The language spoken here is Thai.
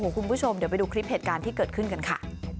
คุณผู้ชมเดี๋ยวไปดูคลิปเหตุการณ์ที่เกิดขึ้นกันค่ะ